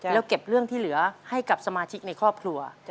แล้วเก็บเรื่องที่เหลือให้กับสมาชิกในครอบครัว